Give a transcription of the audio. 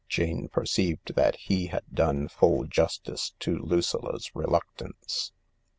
Jane perceived that he had done full justice to Lucilla 's reluctance.